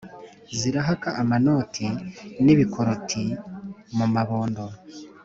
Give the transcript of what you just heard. Zirahaka amanoti n'ibikoroti mu mabondo,